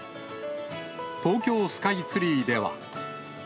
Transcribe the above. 東京スカイツリーでは。